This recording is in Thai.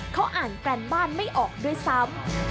เขาอ่านแกรนบ้านไม่ออกด้วยซ้ำ